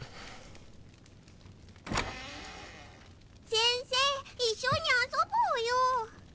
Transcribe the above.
・・先生一緒に遊ぼうよ。